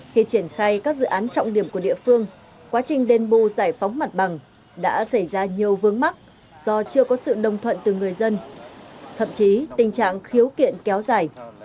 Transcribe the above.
khi triển khai các dự án trọng điểm của địa phương quá trình đền bù giải phóng mặt bằng đã xảy ra nhiều vướng mắc do chưa có sự đồng thuận từ người dân thậm chí tình trạng khiếu kiện kéo dài